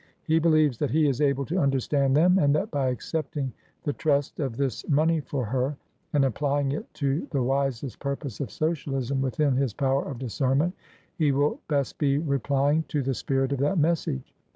He believes that he is able to understand them, and that by accepting the trust of this money for her, and applying it to the wisest purpose of Socialism within his power of discernment, he will best be replying to the spirit of that message.